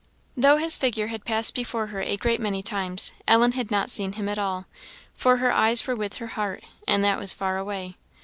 Though his figure had passed before her a great many times Ellen had not seen him at all; for "her eyes were with her heart, and that was far away."